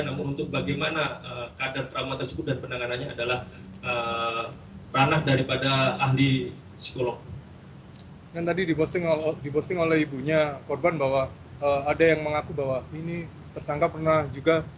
namun untuk bagaimana kadar trauma tersebut dan penanganannya adalah ranah daripada ahli psikologi